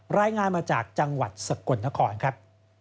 รายงานมาจากจังหวัดสกลนครครับ